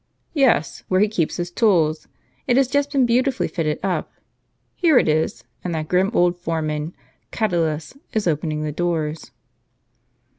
" Yes, where he keeps his tools ; it has just been beautifully fitted up. Here it is, and that grim old foreman, Catulus, is opening the doors."